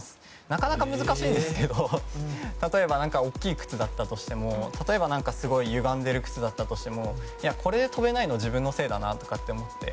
なかなか難しいんですけど例えば大きい靴だったとしても例えば、すごい歪んでいる靴だったとしてもこれで跳べないのは自分のせいだなと思って。